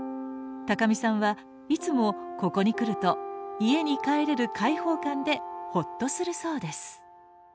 見さんはいつもここに来ると家に帰れる解放感でほっとするそうです。